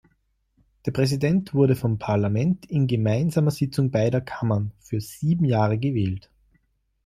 Der Präsident wurde vom Parlament in gemeinsamer Sitzung beider Kammern für sieben Jahre gewählt.